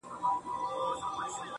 o پربت باندي يې سر واچوه.